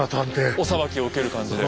お裁きを受ける感じで。